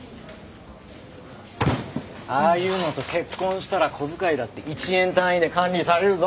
ああいうのと結婚したら小遣いだって１円単位で管理されるぞ。